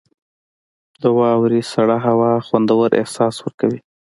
• د واورې سړه هوا خوندور احساس ورکوي.